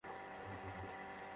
বাদ দাও, জ্যাক!